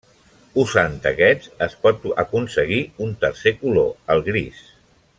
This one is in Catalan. Usant aquests, es pot aconseguir un tercer color, el gris.